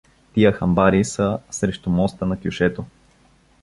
Тия хамбари са срещу моста на кьошето.